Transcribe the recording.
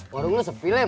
warung lo sepi lem